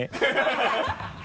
ハハハ